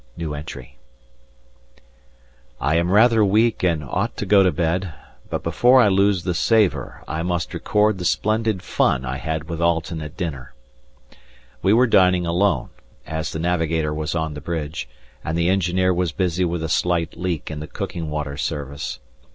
I am rather weary and ought to go to bed, but before I lose the savour I must record the splendid fun I had with Alten at dinner. We were dining alone, as the navigator was on the bridge, and the engineer was busy with a slight leak in the cooking water service.